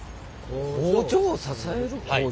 工場を支える工場？